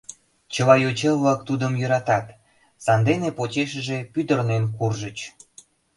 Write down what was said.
Чыла йоча-влак тудым йӧратат, сандене почешыже пӱтырнен куржыч.